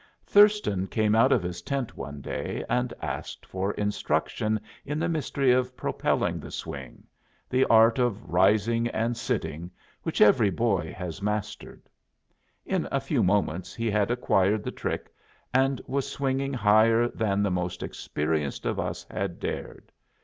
Thurston came out of his tent one day and asked for instruction in the mystery of propelling the swing the art of rising and sitting, which every boy has mastered. In a few moments he had acquired the trick and was swinging higher than the most experienced of us had dared.